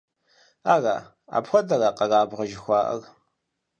Ара, апхуэдэра къэрабгъэ жыхуаӀэр?